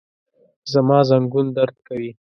زما زنګون درد کوي